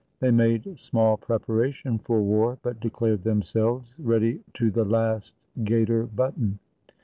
They made small preparation for war, but declared themselves "ready to the last gaiter button."